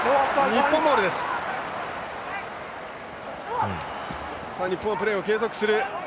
日本、プレーを継続する。